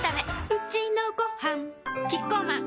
うちのごはんキッコーマン